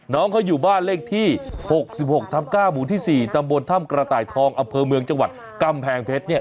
น้องเขาอยู่บ้านเลขที่หกสิบหกทำก้าหมู่ที่สี่ตำบนท่ำกระต่ายทองอเภอเมืองจังหวัดกำแพงเพชรเนี้ย